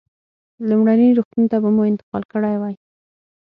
لومړني روغتون ته به مو انتقال کړی وای.